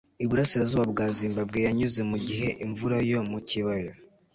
iburasirazuba bwa zimbabwe yanyuze mu gihe imvura yo mu kibaya